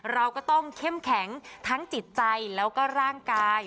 เราก็ต้องเข้มแข็งทั้งจิตใจแล้วก็ร่างกาย